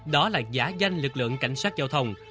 đó là giả danh lực lượng cảnh sát giao thông